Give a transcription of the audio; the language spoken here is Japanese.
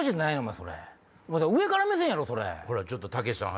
それお前上から目線やろそれ。